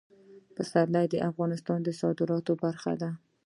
پسرلی د افغانستان د صادراتو برخه ده.